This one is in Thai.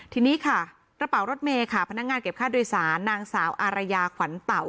ทีนี้ค่ะกระเป๋ารถเมย์ค่ะพนักงานเก็บค่าโดยสารนางสาวอารยาขวัญเต่า